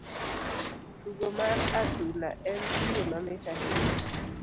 Tugo mar adhula en tugo mamit ahinya.